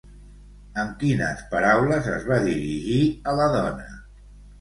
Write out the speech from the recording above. Amb quines paraules es va dirigir a la dona?